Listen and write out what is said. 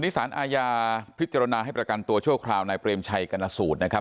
สารอาญาพิจารณาให้ประกันตัวช่วงคราวในเบรมชัยกรณสูตร